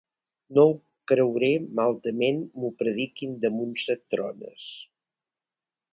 No ho creuré maldament m'ho prediquin damunt set trones.